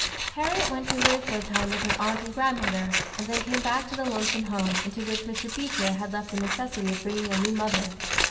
Harriet went to live for a time with her aunt and grandmother, and then came back to the lonesome home, into which Mr. Beecher had felt the necessity of bringing a new mother.